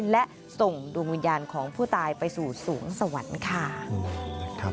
และส่งดวงวิญญาณของผู้ตายไปสู่สวงสวรรค์ค่ะ